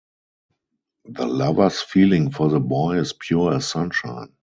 The lover's feeling for the boy is pure as sunshine.